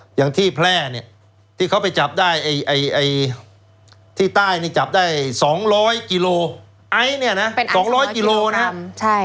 อย่างที่แพร่เนี่ยที่เขาไปจับได้ที่ใต้นี่จับได้๒๐๐กิโลไอซ์เนี่ยนะ๒๐๐กิโลนะ